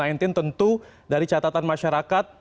tentu dari catatan masyarakat